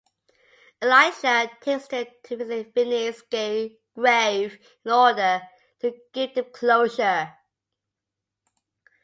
Elijah takes them to visit Vinnie's grave in order to give them closure.